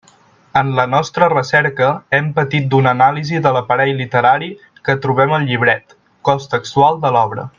En la nostra recerca hem partit d'una anàlisi de l'aparell literari que trobem al llibret, cos textual de l'obra.